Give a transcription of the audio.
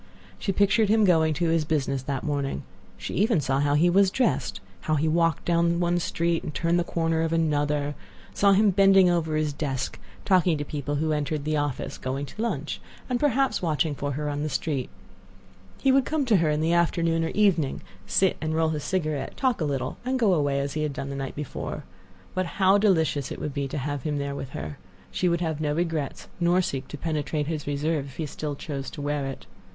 She pictured him going to his business that morning. She even saw how he was dressed; how he walked down one street, and turned the corner of another; saw him bending over his desk, talking to people who entered the office, going to his lunch, and perhaps watching for her on the street. He would come to her in the afternoon or evening, sit and roll his cigarette, talk a little, and go away as he had done the night before. But how delicious it would be to have him there with her! She would have no regrets, nor seek to penetrate his reserve if he still chose to wear it.